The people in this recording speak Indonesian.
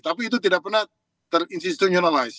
tapi itu tidak pernah terinstitutionalize